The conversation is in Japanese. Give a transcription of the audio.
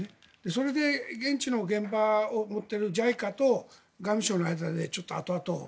それで現地の現場を追っているＪＩＣＡと外務省の間で後々に